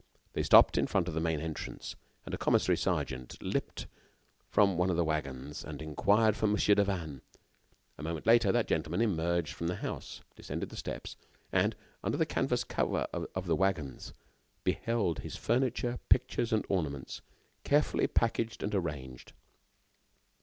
They stopped in front of the main entrance, and a commissary sergeant leaped from one of the wagons and inquired for Mon. Devanne. A moment later, that gentleman emerged from the house, descended the steps, and, under the canvas covers of the wagons, beheld his furniture, pictures and ornaments carefully packaged and arranged.